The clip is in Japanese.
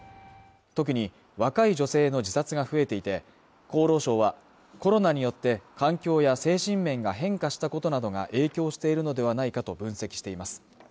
特に若い女性の自殺が増えていて厚労省はコロナによって環境や精神面が変化したことなどが影響しているのではないかと分析しています